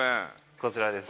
こちらです。